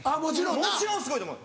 もちろんすごいと思う。